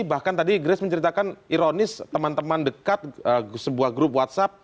bahkan tadi grace menceritakan ironis teman teman dekat sebuah grup whatsapp